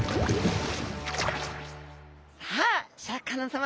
さあシャーク香音さま